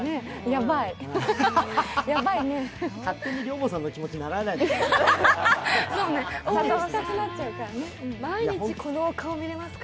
勝手に寮母さんの気持ちにならないでくれる？